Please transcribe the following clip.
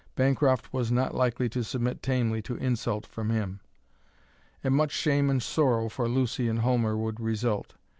Bancroft was not likely to submit tamely to insult from him. And much shame and sorrow for Lucy and Homer would result.